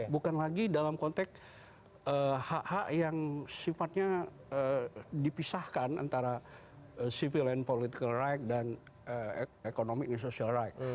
bukan lagi dalam konteks hak hak yang sifatnya dipisahkan antara civil and political right dan economic and social rights